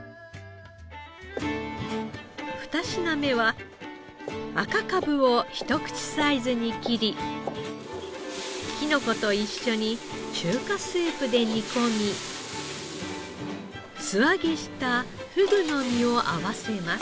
２品目は赤カブを一口サイズに切りきのこと一緒に中華スープで煮込み素揚げしたふぐの身を合わせます。